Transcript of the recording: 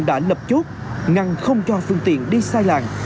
các giao thông đã lập chốt ngăn không cho phương tiện đi sai làn